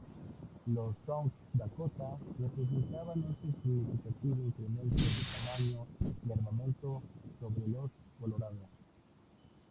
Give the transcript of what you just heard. Los "South Dakota" representaban un significativo incremento de tamaño y armamento sobre los "Colorado".